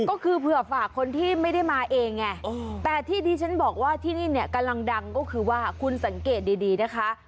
ก็คือเผื่อฝากคนที่ไม่ได้มาเองไงแต่ที่ที่ฉันบอกว่าที่นี่เนี่ยกำลังดังก็คือว่าคุณสังเกตดีนะคะ